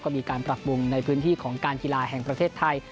ก็มีการปรับปรุงในพื้นที่ของการกีฬาแห่งประเทศไทย